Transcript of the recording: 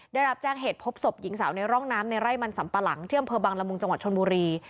ได้รับแจ้งเหตุพบศพหญิงสาวในร่องน้ำในไร่มันสัมปะหลังที่อำเภอบังละมุงจังหวัดชนบุรี